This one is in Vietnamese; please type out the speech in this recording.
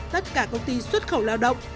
tất cả công ty xuất khẩu lao động